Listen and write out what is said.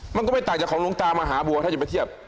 มันก็ไม่ต่างจากของหลวงตามหาบัวถ้าจะไปเทียบ